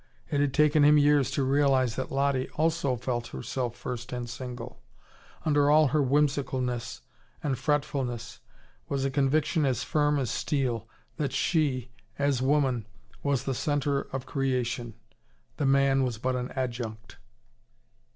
It had taken him years to realise that Lottie also felt herself first and single: under all her whimsicalness and fretfulness was a conviction as firm as steel: that she, as woman, was the centre of creation, the man was but an adjunct.